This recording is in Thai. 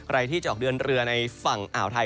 ใครที่จะออกเดินเรือในฝั่งอ่าวไทย